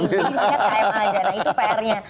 nah itu pr nya